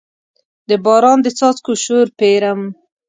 د باران د څاڅکو شور پیرم